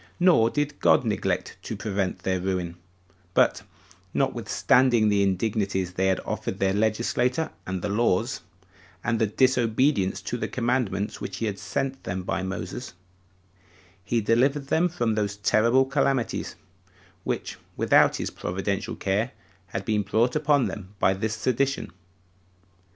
Nor did God neglect to prevent their ruin; but, notwithstanding the indignities they had offered their legislator and the laws, and disobedience to the commandments which he had sent them by Moses, he delivered them from those terrible calamities which, without his providential care, had been brought upon them by this sedition.